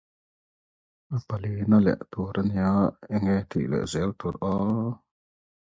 The primary component of the Christian militias was the Maronite Phalangists.